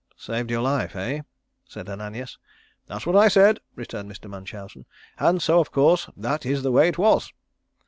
"Saved your life, eh?" said Ananias. "That's what I said," returned Mr. Munchausen, "and so of course that is the way it was."